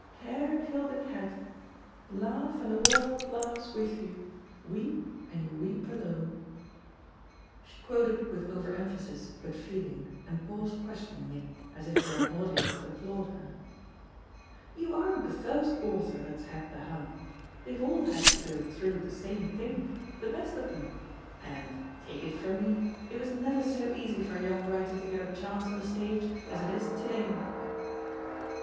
Care killed a cat. 104 THE POSITION OP PEGGY HAKPEB 'Langh^ and the world laughs with yon; Weep, and you weep alone T" She quoted with over emphasis, but feeling, and paused questioningly, as if for an audience to applaud her. "You aren't the first author that's had the hump. They've all had to go through the same thing — ^the best of them. And, take it from me, it was never so easy for a young writer to get a chance on the stage as it is to day."